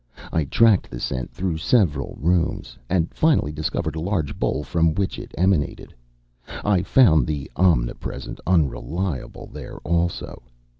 I tracked the scent through several rooms, and finally discovered a large bowl from which it emanated. I found the omnipresent Unreliable there, also.